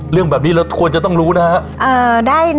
เรื่องแบบนี้เราควรจะต้องรู้นะครับ